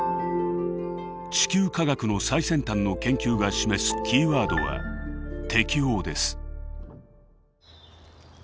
地球科学の最先端の研究が示すキーワードは「適応」です。